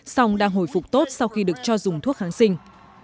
song đang hồi phục tốt sau khi được cho dùng thuốc kháng sinh